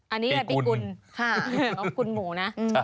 อันนี้เป็นปีกุลของคุณหมูนะ